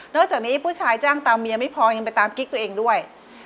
จากนี้ผู้ชายจ้างตามเมียไม่พอยังไปตามกิ๊กตัวเองด้วย